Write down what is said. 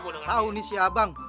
tahu nih si abang